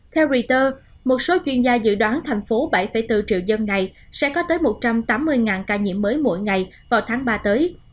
theo reuters một số chuyên gia dự đoán thành phố bảy bốn triệu dân này sẽ có tới một trăm tám mươi ca nhiễm mới mỗi ngày vào tháng ba tới